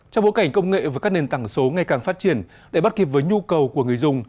trong bối cảnh công nghệ và các nền tảng số ngày càng phát triển để bắt kịp với nhu cầu của người dùng